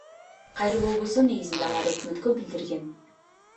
Кайрылуубуздун негизинде алар Өкмөткө билдирген.